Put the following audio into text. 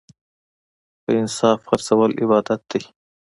په انصاف خرڅول عبادت دی.